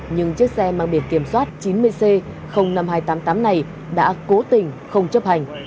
nhưng chiếc xe mang biển kiểm soát chín mươi c năm nghìn hai trăm tám mươi tám này đã cố tình không chấp hành